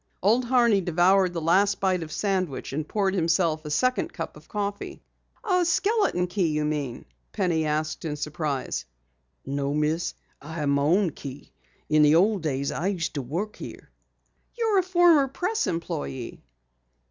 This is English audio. Old Horney devoured the last bite of sandwich, and poured himself a second cup of coffee. "A skeleton key, you mean?" Penny asked in surprise. "No, Miss. I have my own key. In the old days I used to work here." "You're a former Press employee?"